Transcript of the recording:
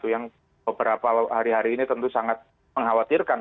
yang beberapa hari hari ini tentu sangat mengkhawatirkan